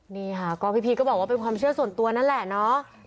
นี่ค่ะก็พี่พีชก็บอกว่าเป็นความเชื่อส่วนตัวนั่นแหละเนาะ